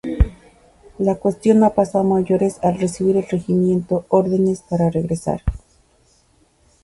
La cuestión no pasó a mayores al recibir el regimiento órdenes para regresar.